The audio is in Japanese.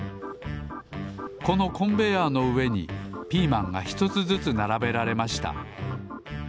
このコンベヤーのうえにピーマンがひとつずつならべられました。